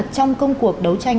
trong công cuộc đấu tranh